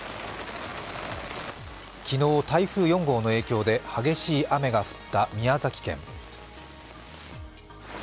昨日、台風４号の影響で激しい雨が降った宮崎県。